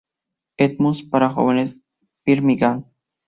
Edmunds para jóvenes, Birmingham.